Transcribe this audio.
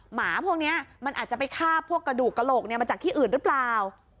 หมาพวกนี้มันอาจจะไปฆ่าพวกกระดูกกระโหลกมาจากที่อื่นหรือเปล่า